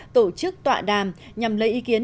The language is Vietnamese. tổ chức tọa đàm nhằm lấy ý kiến